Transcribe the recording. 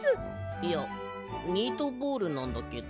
いやミートボールなんだけど。